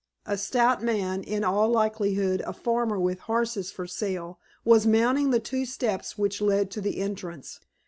A stout man, in all likelihood a farmer with horses for sale, was mounting the two steps which led to the entrance.